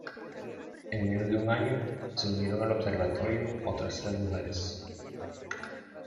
En menos de un año, se unieron al observatorio otras tres mujeres.